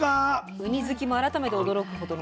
ウニ好きも改めて驚くほどの。